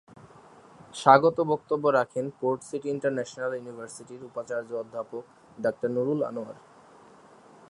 স্বাগত বক্তব্য রাখেন পোর্ট সিটি ইন্টারন্যাশনাল ইউনিভার্সিটির উপাচার্য অধ্যাপক ডাক্তার নূরুল আনোয়ার।